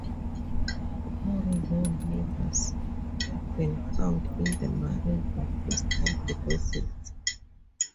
All known members have been found in marine or coastal deposits.